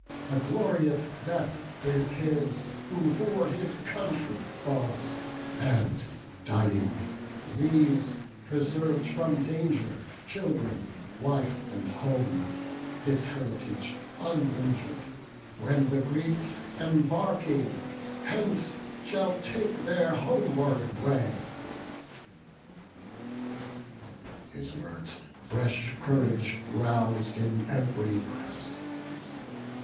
a glorious death is his Who for his country falls; and dying, leaves Preserv'd from danger, children, wife, and home, His heritage uninjur'd, when the Greeks Embarking hence shall take their homeward way." His words fresh courage rous'd in ev'ry breast.